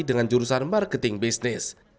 dengan jurusan marketing bisnis